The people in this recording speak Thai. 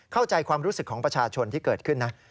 เข้าใจความรู้สึกของประชาชนที่เกิดขึ้นนะ